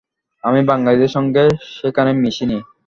আমি বাঙালিদের সঙ্গে সেখানে মিশি নি।